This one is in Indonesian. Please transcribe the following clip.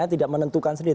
tidak menentukan sendiri